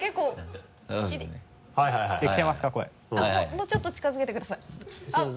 もうちょっと近づけてください。